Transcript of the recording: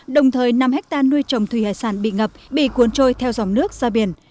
đồng thời năm hectare nuôi trồng thủy hải sản bị ngập bị cuốn trôi theo dòng nước ra biển